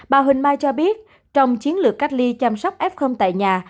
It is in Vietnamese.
bà huỳnh mai cho biết trong chiến lược cách ly chăm sóc f tại nhà